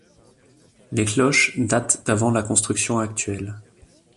Les cloches datent d'avant la construction actuelle.